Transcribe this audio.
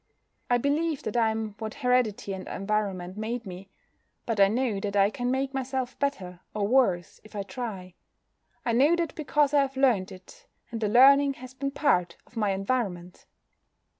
I believe that I am what heredity and environment made me. But I know that I can make myself better or worse if I try. I know that because I have learnt it, and the learning has been part of my environment.